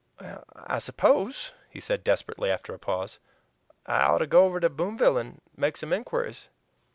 "I suppose," he said desperately, after a pause, "I ought to go over to Boomville and make some inquiries."